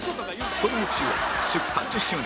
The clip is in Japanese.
その翌週は祝３０周年！